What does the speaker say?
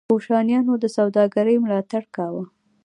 کوشانیانو د سوداګرۍ ملاتړ کاوه